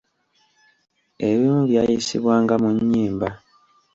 Ebimu byayisibwanga mu nnyimba.